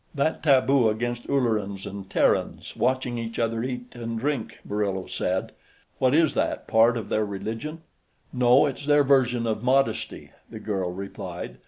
"That taboo against Ullerans and Terrans watching each other eat and drink," Murillo said. "What is that, part of their religion?" "No, it's their version of modesty," the girl replied.